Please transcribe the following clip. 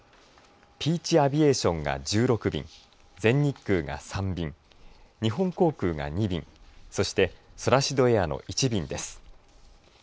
ピーチ・アビエーションが１６便全日空が３便日本航空が２便そしてソラシドエアの１便です。